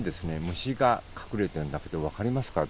虫が隠れてるんだけど分かりますか？